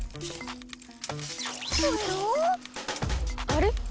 あれ？